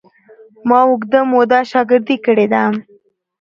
ما اوږده موده شاګردي کړې ده.